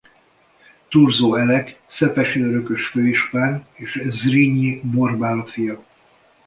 Thurzó Elek szepesi örökös főispán és Zrinyi Borbála fia.